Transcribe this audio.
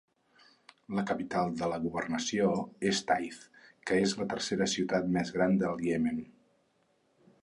La capital de la governació és Taiz, que és la tercera ciutat més gran del Iemen.